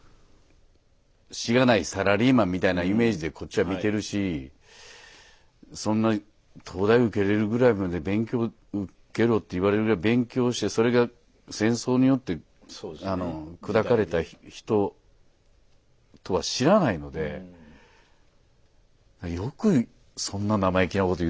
しがないサラリーマンみたいなイメージでこっちは見てるしそんな東大を受けれるぐらいまで勉強受けろと言われるぐらい勉強してそれが戦争によって砕かれた人とは知らないのでよくそんな生意気なこと言ったなって思いますよね。